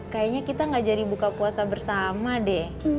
kayaknya kita gak jadi buka puasa bersama deh